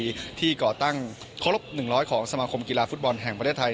ผมในฐานะยกสมัครภูมิหลังจากประเทศไทย